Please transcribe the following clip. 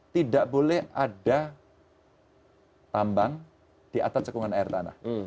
tidak boleh ada tambang di atas cekungan air tanah